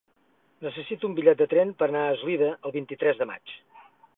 Necessito un bitllet de tren per anar a Eslida el vint-i-tres de maig.